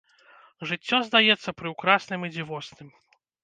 Жыццё здаецца прыўкрасным і дзівосным.